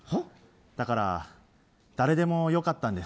だから、誰でもよかったんです。